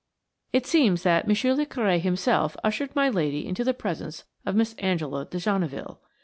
It seems that Monsier le Curé himself ushered my lady into the presence of Miss Angela de Genneville.